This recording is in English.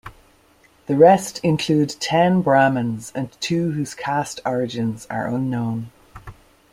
The rest include ten Brahmins and two whose caste origins are unknown.